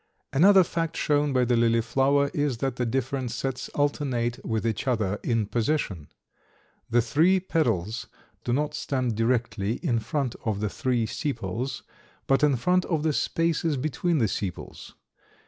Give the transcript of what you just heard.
Another fact shown by the lily flower is that the different sets alternate with each other in position. The three petals do not stand directly in front of the three sepals, but in front of the spaces between the sepals.